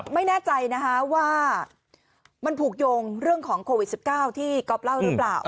ไม่แน่ใจนะคะว่ามันผูกโยงเรื่องของโควิด๑๙ที่ก๊อฟเล่าหรือเปล่า